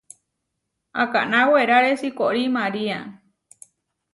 Akaná weraré sikorí María.